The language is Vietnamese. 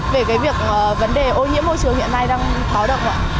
về việc vấn đề ô nhiễm môi trường hiện nay đang pháo động